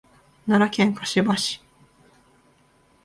奈良県香芝市